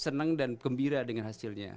senang dan gembira dengan hasilnya